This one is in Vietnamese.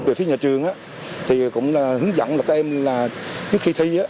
về phía nhà trường thì cũng hướng dẫn là các em trước khi thi